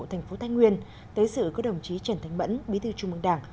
thành phố thái nguyên tới sự của đồng chí trần thánh mẫn bí thư trung mương đảng